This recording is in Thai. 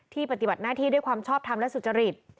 ปฏิบัติหน้าที่ด้วยความชอบทำและสุจริต